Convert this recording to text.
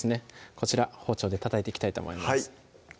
こちら包丁でたたいていきたいと思います